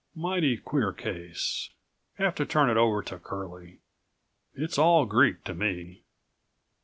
Mighty queer case. Have to turn it over to Curlie. It's all Greek to me."